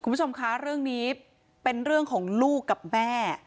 คุณผู้ชมคะเรื่องนี้เป็นเรื่องของลูกกับแม่